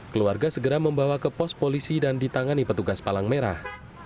keluarga segera membawa ke pos polisi dan ditangani petugas palang merah